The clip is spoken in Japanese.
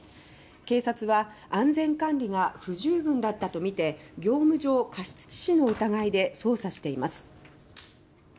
警察は安全管理が不十分だったとみて業務上過失致死の疑いで捜査しています。